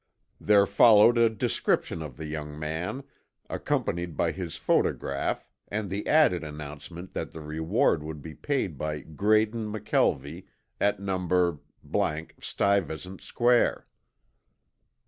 There followed a description of the young man, accompanied by his photograph and the added announcement that the reward would be paid by Graydon McKelvie, at No. Stuyvesant Square.